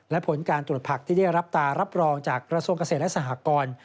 และผลการตรวจผักที่ได้รับตารับรองจากกระทรวงเกษตรและสหกร